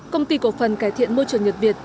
công ty cổ phần cải thiện môi trường nhật việt